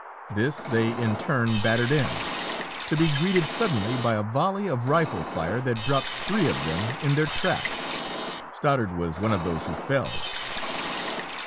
This they in turn battered in to be greeted suddenly by a volley of rifle fire that dropped three of them in their tracks. Stoddard was one of those who fell.